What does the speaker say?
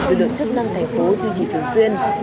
được được chức năng thành phố duy trì thường xuyên